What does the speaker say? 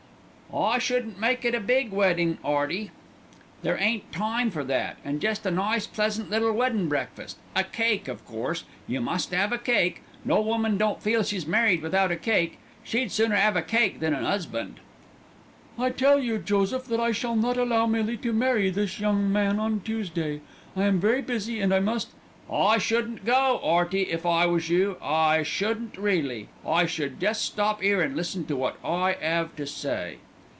"I shouldn't make it a big weddin', 'Earty. There ain't time for that, and jest a nice pleasant little weddin' breakfast. A cake, of course; you must 'ave a cake. No woman don't feel she's married without a cake. She'd sooner 'ave a cake than an 'usband." "I tell you, Joseph, that I shall not allow Millie to marry this young man on Tuesday. I am very busy and I must " "I shouldn't go, 'Earty, if I was you. I shouldn't really; I should jest stop 'ere and listen to wot I 'ave to say."